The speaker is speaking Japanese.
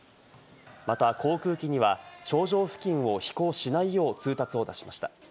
また航空機には頂上付近を飛行しないよう通達を出しました。